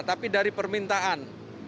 tapi dari permintaan